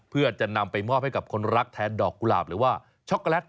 เพื่อจะนำไปมอบให้กับคนรักแทนดอกกุหลาบหรือว่าช็อกโกแลต